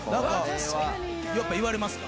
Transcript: やっぱ言われますか？